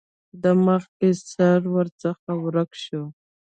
د مخکې سر ورڅخه ورک شو.